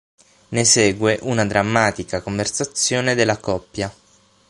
Ne segue una drammatica conversazione della coppia.